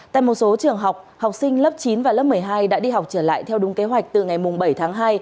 tại một số trường học học sinh lớp chín và lớp một mươi hai đã đi học trở lại theo đúng kế hoạch từ ngày bảy tháng hai